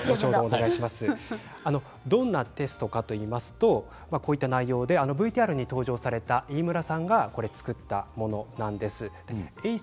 どんなテストかといいますとこういった内容でＶＴＲに登場された飯村さんが作ったものです。